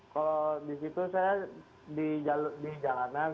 kalau di situ saya di jalanan